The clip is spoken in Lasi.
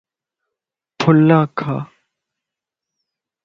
ڦلا کا